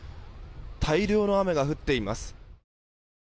大量の雨が降っています。